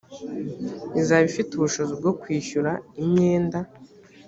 izaba ifite ubushobozi bwo kwishyura imyenda